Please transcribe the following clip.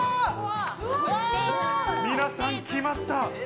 皆さん来ました。